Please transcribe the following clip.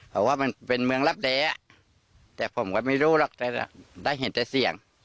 เพราะว่ามันเป็นเมืองรับแด้แต่ผมก็ไม่รู้หรอกแต่ได้เห็นแต่เสี่ยง